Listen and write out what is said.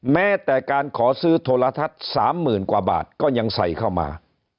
แม้แต่การขอซื้อโทรทัศน์๓๐๐๐กว่าบาทก็ยังใส่เข้ามา